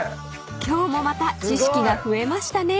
［今日もまた知識が増えましたね］